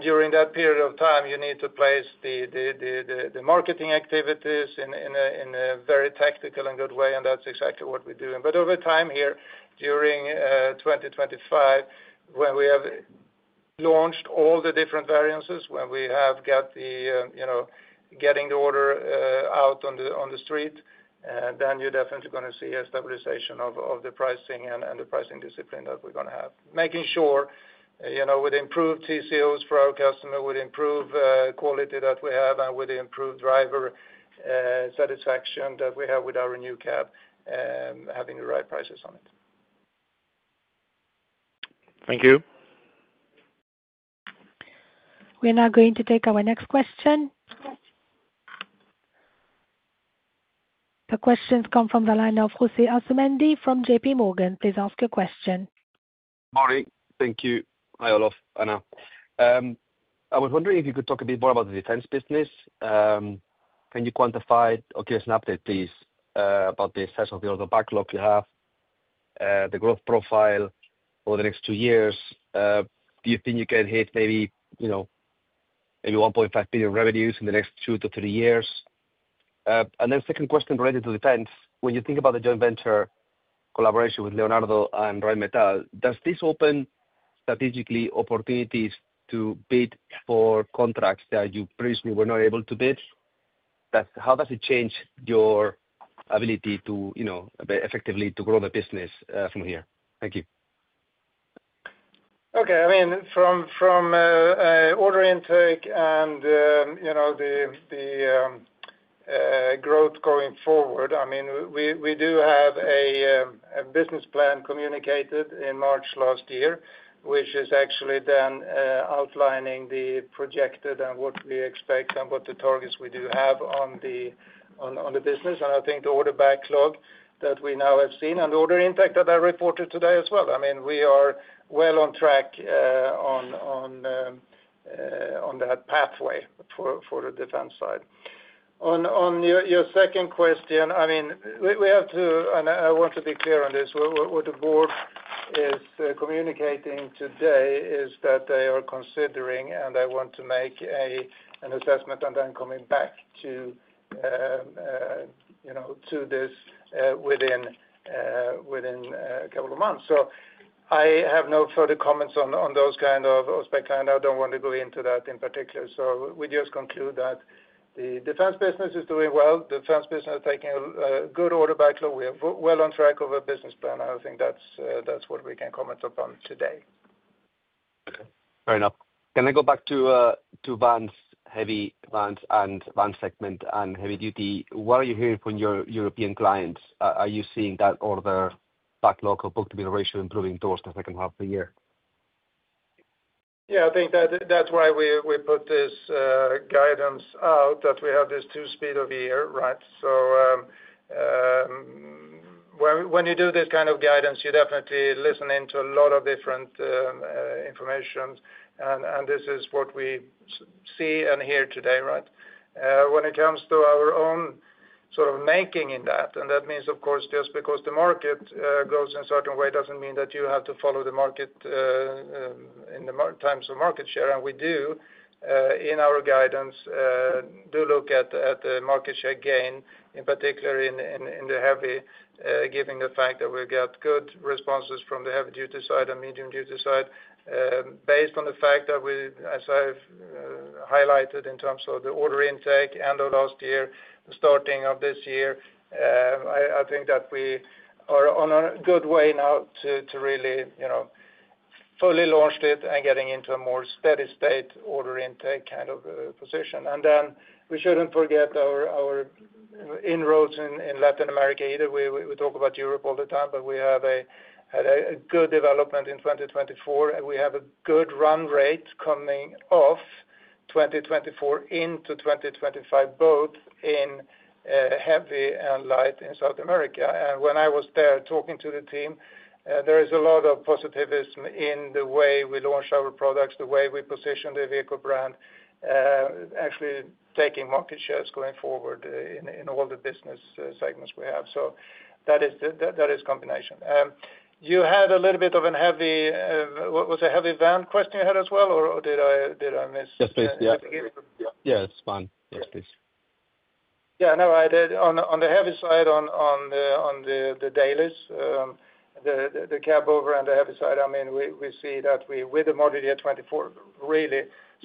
During that period of time, you need to place the marketing activities in a very tactical and good way, and that's exactly what we're doing. Over time here, during 2025, when we have launched all the different variances, when we have got the order out on the street, you're definitely going to see a stabilization of the pricing and the pricing discipline that we're going to have. Making sure with improved TCOs for our customer, with improved quality that we have, and with improved driver satisfaction that we have with our new cab, having the right prices on it. Thank you. We're now going to take our next question. The question comes from the line of José Asumendi from J.P. Morgan. Please ask your question. Morning. Thank you. Hi, Olof. I was wondering if you could talk a bit more about the defense business. Can you quantify or give us an update, please, about the size of the order backlog you have, the growth profile over the next two years? Do you think you can hit maybe 1.5 billion revenues in the next two to three years? And then second question related to defense. When you think about the joint venture collaboration with Leonardo and Rheinmetall, does this open strategically opportunities to bid for contracts that you previously were not able to bid? How does it change your ability to effectively grow the business from here? Thank you. Okay. I mean, from order intake and the growth going forward, I mean, we do have a business plan communicated in March last year, which is actually then outlining the projected and what we expect and what the targets we do have on the business. And I think the order backlog that we now have seen and the order intake that I reported today as well. I mean, we are well on track on that pathway for the defense side. On your second question, I mean, we have to, and I want to be clear on this, what the board is communicating today is that they are considering, and I want to make an assessment and then coming back to this within a couple of months. So I have no further comments on those kind of aspects, and I don't want to go into that in particular. So we just conclude that the defense business is doing well. The defense business is taking a good order backlog. We are well on track of a business plan. I think that's what we can comment upon today. Fair enough. Can I go back to vans, heavy vans and vans segment and heavy duty? What are you hearing from your European clients? Are you seeing that order backlog or book-to-bill ratio improving towards the second half of the year? Yeah, I think that's why we put this guidance out, that we have this two-speed year, right? So when you do this kind of guidance, you definitely listen to a lot of different information, and this is what we see and hear today, right? When it comes to our own sort of making in that, and that means, of course, just because the market goes in a certain way doesn't mean that you have to follow the market in terms of market share. We do, in our guidance, do look at the market share gain, in particular in the heavy, given the fact that we've got good responses from the heavy-duty side and medium-duty side. Based on the fact that we, as I've highlighted in terms of the order intake and last year, starting of this year, I think that we are on a good way now to really fully launched it and getting into a more steady-state order intake kind of position. And then we shouldn't forget our inroads in Latin America. Either way, we talk about Europe all the time, but we have a good development in 2024, and we have a good run rate coming off 2024 into 2025, both in heavy and light in South America. When I was there talking to the team, there is a lot of optimism in the way we launch our products, the way we position the vehicle brand, actually taking market shares going forward in all the business segments we have. That is combination. You had a little bit of a heavy - was it heavy van question you had as well, or did I miss? Yes please. Yeah, it's fine. Yes, please. Yeah, no, on the heavy side on the Daily, the cab-over and the heavy side, I mean, we see that with the model year 2024 really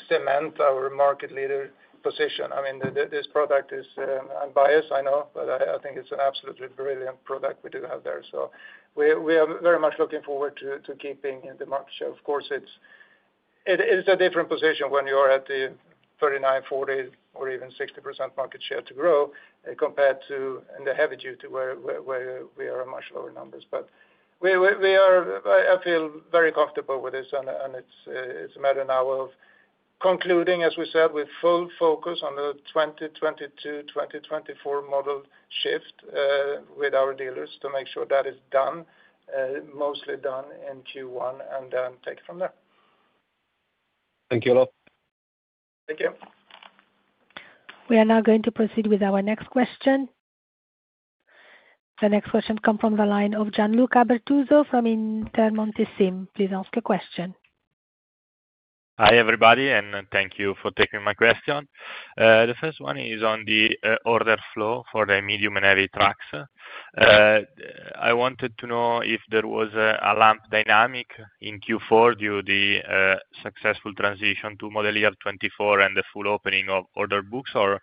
cement our market leader position. I mean, this product is unbeatable, I know, but I think it's an absolutely brilliant product we do have there. So we are very much looking forward to keeping the market share. Of course, it's a different position when you're at the 39%, 40%, or even 60% market share to grow compared to in the heavy duty where we are much lower numbers. But I feel very comfortable with this, and it's a matter now of concluding, as we said, with full focus on the 2022, 2024 model shift with our dealers to make sure that is done, mostly done in Q1, and then take it from there. Thank you, Olof. Thank you. We are now going to proceed with our next question. The next question comes from the line of Gianluca Bertuzzo from Intermonte SIM. Please ask a question. Hi, everybody, and thank you for taking my question. The first one is on the order flow for the medium and heavy trucks. I wanted to know if there was a lumpy dynamic in Q4 due to the successful transition to model year '24 and the full opening of order books, or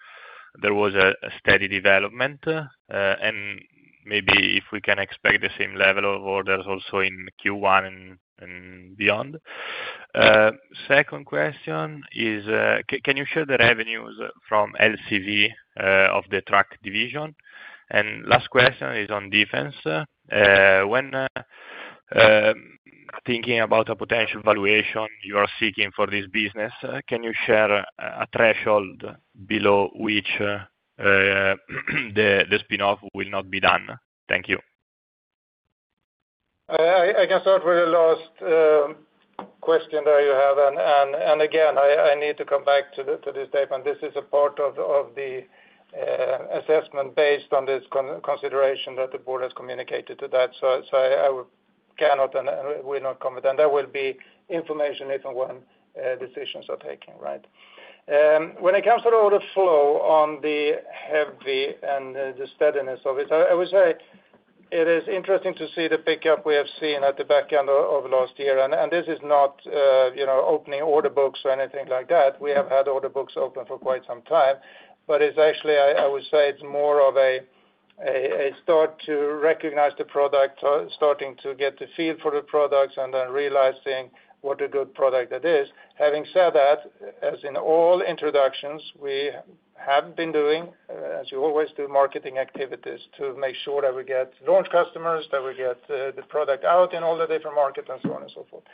there was a steady development, and maybe if we can expect the same level of orders also in Q1 and beyond. Second question is, can you share the revenues from LCV of the truck division? And last question is on defense. When thinking about a potential valuation you are seeking for this business, can you share a threshold below which the spin-off will not be done? Thank you. I can start with the last question that you have. And again, I need to come back to this statement. This is a part of the assessment based on this consideration that the board has communicated to that. So I cannot and will not comment. There will be information if and when decisions are taken, right? When it comes to the order flow on the heavy and the steadiness of it, I would say it is interesting to see the pickup we have seen at the back end of last year. This is not opening order books or anything like that. We have had order books open for quite some time. It's actually, I would say, it's more of a start to recognize the product, starting to get the feel for the products, and then realizing what a good product that is. Having said that, as in all introductions, we have been doing, as you always do, marketing activities to make sure that we get launch customers, that we get the product out in all the different markets, and so on and so forth.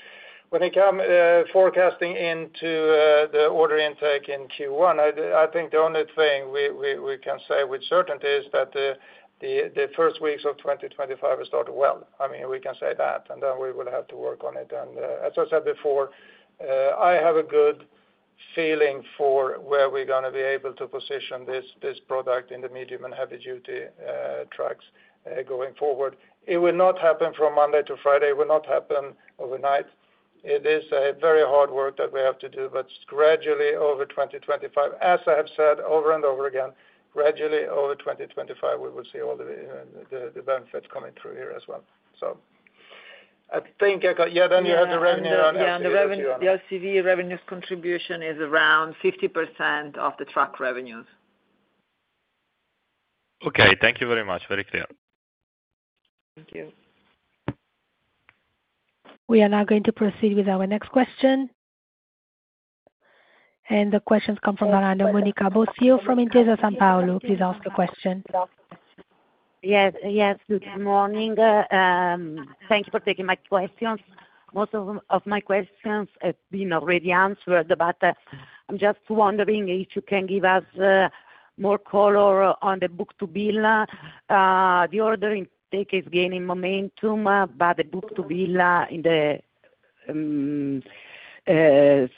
When it comes to forecasting the order intake in Q1, I think the only thing we can say with certainty is that the first weeks of 2025 will start well. I mean, we can say that, and then we will have to work on it. And as I said before, I have a good feeling for where we're going to be able to position this product in the medium and heavy-duty trucks going forward. It will not happen from Monday to Friday. It will not happen overnight. It is very hard work that we have to do, but gradually over 2025, as I have said over and over again, gradually over 2025, we will see all the benefits coming through here as well. So I think I got—yeah, then you have the revenue on LVC. Yeah, on the revenue. The LCV revenue contribution is around 50% of the truck revenues. Okay. Thank you very much. Very clear. Thank you. We are now going to proceed with our next question. And the questions come from the line of Monica Bosio from Intesa Sanpaolo. Please ask a question. Yes. Yes. Good morning. Thank you for taking my questions. Most of my questions have been already answered, but I'm just wondering if you can give us more color on the book-to-bill. The order intake is gaining momentum, but the book-to-bill has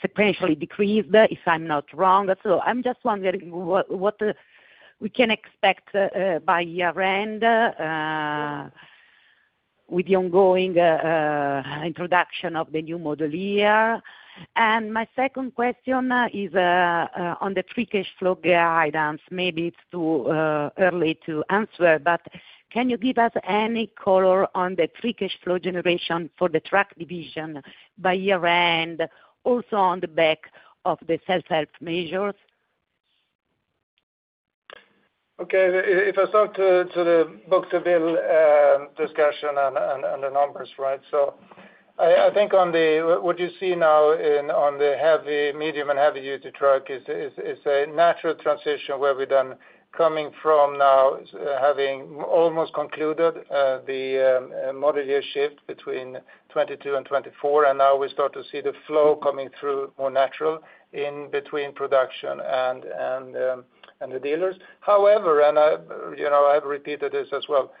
sequentially decreased, if I'm not wrong. So I'm just wondering what we can expect by year-end with the ongoing introduction of the new model year. And my second question is on the free cash flow guidance. Maybe it's too early to answer, but can you give us any color on the free cash flow generation for the truck division by year-end, also on the back of the self-help measures? Okay. If I start with the book-to-bill discussion and the numbers, right, so I think what you see now on the light, medium, and heavy-duty trucks is a natural transition where we've come from now having almost concluded the model year shift between 2022 and 2024, and now we start to see the flow coming through more naturally in between production and the dealers. However, and I've repeated this as well,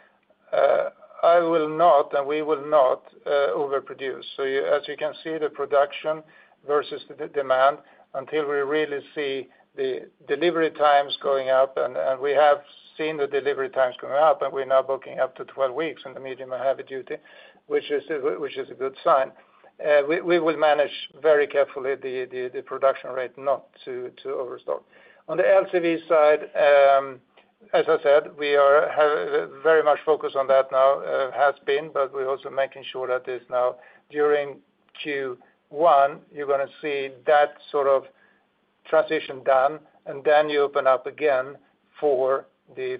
I will not and we will not overproduce, so as you can see, the production versus the demand until we really see the delivery times going up, and we have seen the delivery times going up, and we're now booking up to 12 weeks in the medium and heavy-duty, which is a good sign. We will manage very carefully the production rate not to overstock. On the LCV side, as I said, we have very much focus on that now, has been, but we're also making sure that this now during Q1, you're going to see that sort of transition done, and then you open up again for the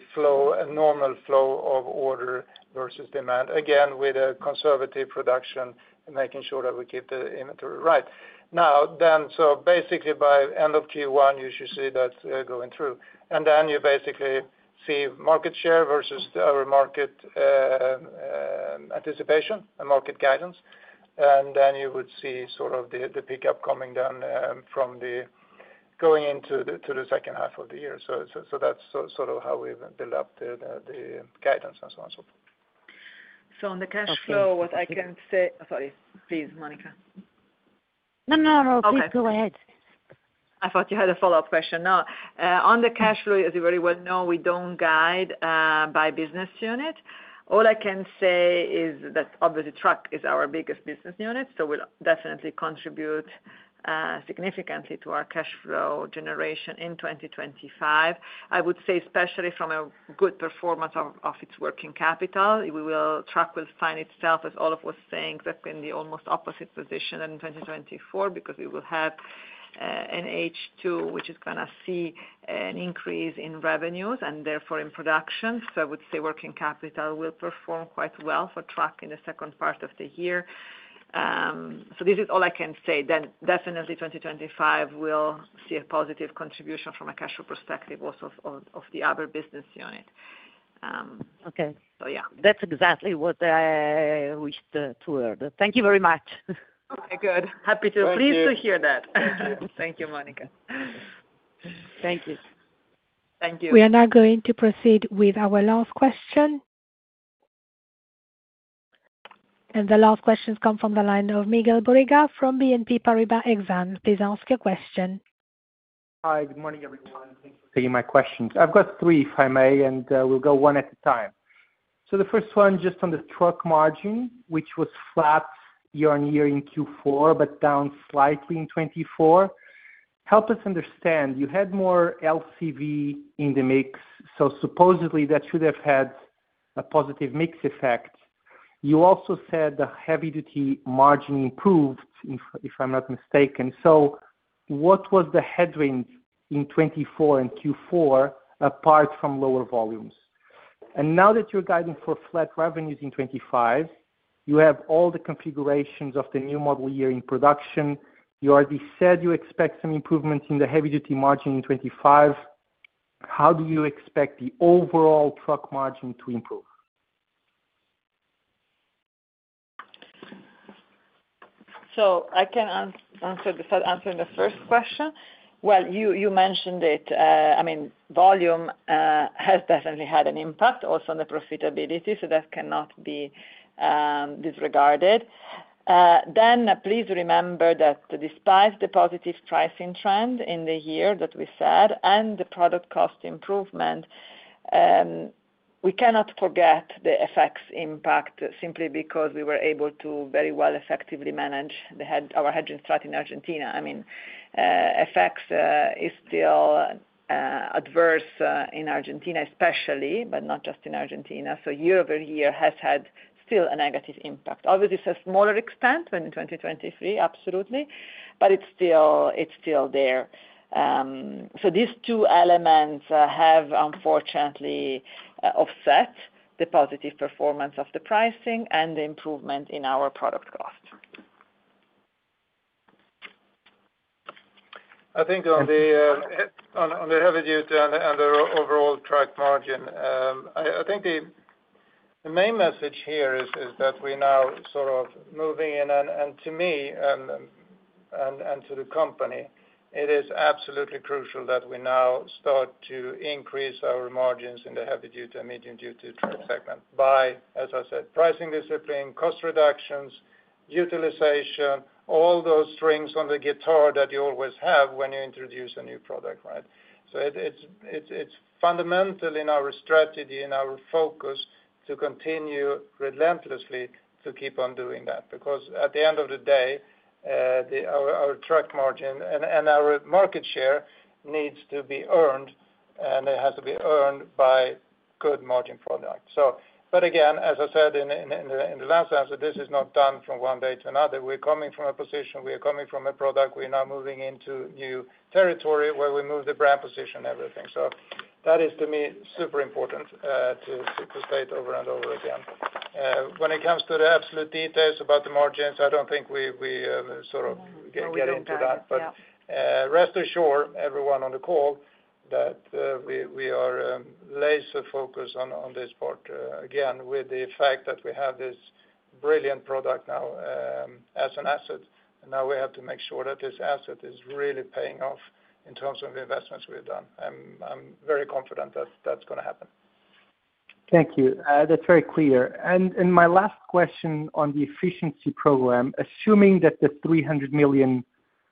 normal flow of order versus demand, again with a conservative production and making sure that we keep the inventory right. Now then, so basically by end of Q1, you should see that going through. And then you basically see market share versus our market anticipation and market guidance, and then you would see sort of the pickup coming down from the going into the second half of the year. So that's sort of how we've developed the guidance and so on and so forth. So on the cash flow, what I can say, sorry, please, Monica. No, no, no. Please go ahead. I thought you had a follow-up question. No. On the cash flow, as you very well know, we don't guide by business unit. All I can say is that obviously truck is our biggest business unit, so we'll definitely contribute significantly to our cash flow generation in 2025. I would say especially from a good performance of its working capital, truck will find itself, as Olof was saying, exactly in the almost opposite position than 2024 because we will have an H2, which is going to see an increase in revenues and therefore in production. So I would say working capital will perform quite well for truck in the second part of the year. So this is all I can say. Then definitely 2025 will see a positive contribution from a cash flow perspective also of the other business unit. So yeah. That's exactly what I wished to hear. Thank you very much. Okay, good. Happy to hear that. Thank you. Thank you, Monica. Thank you. Thank you. We are now going to proceed with our last question, and the last questions come from the line of Miguel Borrega from BNP Paribas Exane. Please ask your question. Hi. Good morning, everyone. Thank you for taking my questions. I've got three, if I may, and we'll go one at a time, so the first one just on the truck margin, which was flat year-on-year in Q4 but down slightly in 2024. Help us understand. You had more LCV in the mix, so supposedly that should have had a positive mix effect. You also said the heavy-duty margin improved, if I'm not mistaken. So what was the headwind in 2024 and Q4 apart from lower volumes? Now that you're guiding for flat revenues in 2025, you have all the configurations of the new model year in production. You already said you expect some improvements in the heavy-duty margin in 2025. How do you expect the overall truck margin to improve? I can answer the first question. You mentioned it. I mean, volume has definitely had an impact also on the profitability, so that cannot be disregarded. Please remember that despite the positive pricing trend in the year that we said and the product cost improvement, we cannot forget the FX impact simply because we were able to very well effectively manage our hedging strategy in Argentina. I mean, FX is still adverse in Argentina, especially, but not just in Argentina. Year-over-year has had still a negative impact. Obviously, it's a smaller extent than in 2023, absolutely, but it's still there. So these two elements have unfortunately offset the positive performance of the pricing and the improvement in our product cost. I think on the heavy-duty and the overall truck margin, I think the main message here is that we're now sort of moving in, and to me and to the company, it is absolutely crucial that we now start to increase our margins in the heavy-duty and medium-duty truck segment by, as I said, pricing discipline, cost reductions, utilization, all those strings on the guitar that you always have when you introduce a new product, right? So it's fundamental in our strategy, in our focus, to continue relentlessly to keep on doing that because at the end of the day, our truck margin and our market share needs to be earned, and it has to be earned by good margin product. But again, as I said in the last answer, this is not done from one day to another. We're coming from a position. We're coming from a product. We're now moving into new territory where we move the brand position and everything. So that is, to me, super important to state over and over again. When it comes to the absolute details about the margins, I don't think we sort of get into that. But rest assured, everyone on the call, that we are laser-focused on this part again with the fact that we have this brilliant product now as an asset. And now we have to make sure that this asset is really paying off in terms of the investments we've done. I'm very confident that that's going to happen. Thank you. That's very clear. My last question on the efficiency program, assuming that the 300 million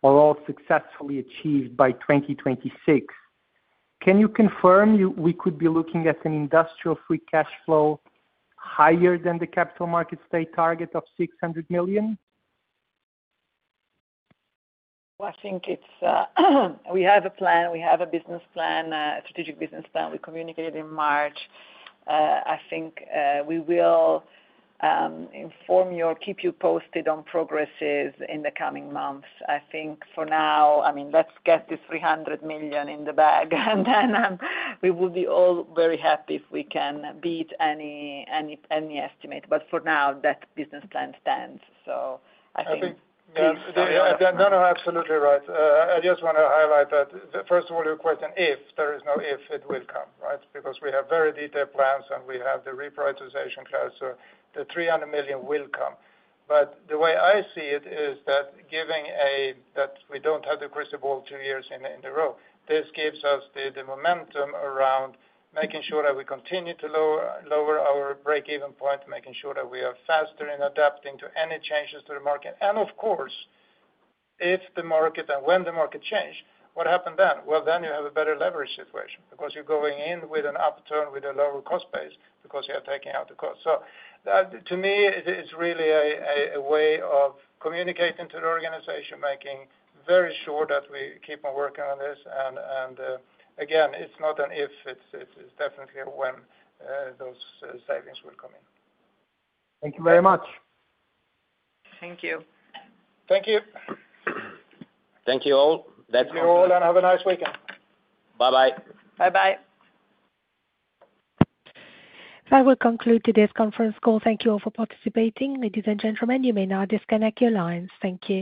are all successfully achieved by 2026, can you confirm we could be looking at an industrial free cash flow higher than the Capital Markets Day target of 600 million? Well, I think we have a plan. We have a business plan, a strategic business plan. We communicated in March. I think we will inform you or keep you posted on progress in the coming months. I think for now, I mean, let's get this 300 million in the bag, and then we will be all very happy if we can beat any estimate. But for now, that business plan stands. So I think that's. No, no, absolutely right. I just want to highlight that, first of all, your question, if there is no if, it will come, right? Because we have very detailed plans, and we have the reprioritization clause, so the 300 million will come, but the way I see it is that, given that we don't have the crystal ball two years in a row, this gives us the momentum around making sure that we continue to lower our break-even point, making sure that we are faster in adapting to any changes to the market, and of course, if the market and when the market change, what happened then, well, then you have a better leverage situation because you're going in with an upturn with a lower cost base because you are taking out the cost, so to me, it's really a way of communicating to the organization, making very sure that we keep on working on this, and again, it's not an if. It's definitely a when those savings will come in. Thank you very much. Thank you. Thank you. Thank you all. That's all. Thank you all, and have a nice weekend. Bye-bye. Bye-bye. That will conclude today's conference call. Thank you all for participating. Ladies and gentlemen, you may now disconnect your lines. Thank you.